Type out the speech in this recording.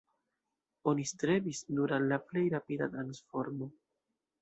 Oni strebis nur al la plej rapida transformo.